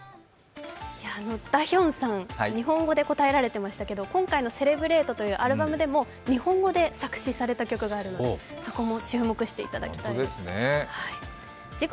ダヒョンさん、日本語で答えられていましたけれども、今回の「Ｃｅｌｅｂｒａｔｅ」というアルバムでも日本語で作詞された曲があるので、そこも注目していただきたい。